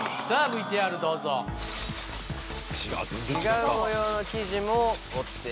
さぁ ＶＴＲ どうぞ！えっ？